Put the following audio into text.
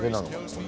これ。